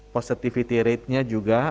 positivity ratenya juga